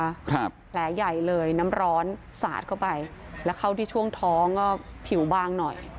ครับแผลใหญ่เลยน้ำร้อนสาดเข้าไปแล้วเข้าที่ช่วงท้องก็ผิวบางหน่อย